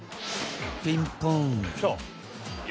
［ピンポーン］